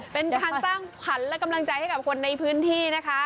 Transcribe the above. เป็นการสร้างขวัญและกำลังใจให้กับคนในพื้นที่นะคะ